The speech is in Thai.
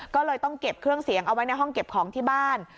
ก็เลยต้องเก็บเครื่องเสียงเอาไว้ในห้องเก็บของที่บ้าน